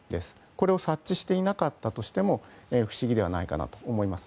これを察知していなかったとしても不思議ではないかなと思います。